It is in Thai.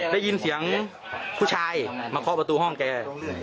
ได้ยินเสียงผู้ชายมาเคาะประตูห้องแก